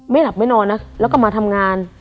หลับไม่นอนนะแล้วก็มาทำงาน